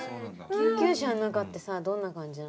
救急車の中ってさどんな感じなの？